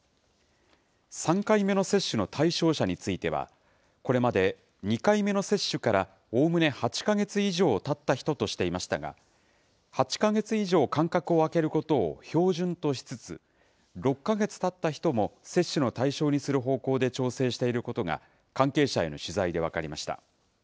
３回目の接種の対象者については、これまで２回目の接種からおおむね８か月以上たった人としていましたが、８か月以上間隔を空けることを標準としつつ、６か月たった人も接種の対象にする方向で調整していることが、関係者への取材で分かりました。